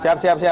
siap siap siap